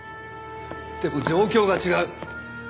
でも状況が違う！